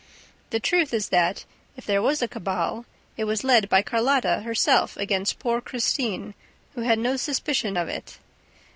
The truth is that, if there was a cabal, it was led by Carlotta herself against poor Christine, who had no suspicion of it.